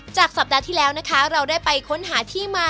สัปดาห์ที่แล้วนะคะเราได้ไปค้นหาที่มา